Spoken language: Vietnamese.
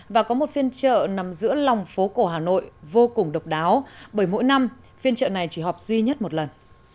và có một phiên trợ nằm giữa lòng phố cổ hà nội vô cùng độc đáo bởi mỗi năm phiên trợ này chỉ họp duy nhất một lần